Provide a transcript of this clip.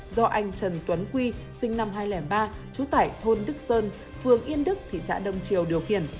do anh trần tuấn quy sinh năm hai nghìn ba trú tại thôn đức sơn phường yên đức thị xã đông triều điều khiển